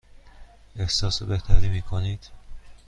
احساس بهتری می کنید؟